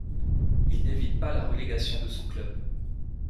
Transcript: Il n'évite pas la relégation de son club.